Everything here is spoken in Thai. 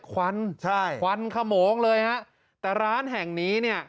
ควันใช่ควันขโมงเลยฮะแต่ร้านแห่งนี้เนี่ย